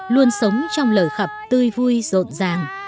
luôn sống trong lời khập tươi vui rộn ràng